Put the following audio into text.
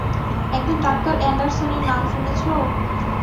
একজন ডাঃ অ্যান্ডারসনের নাম শুনেছ?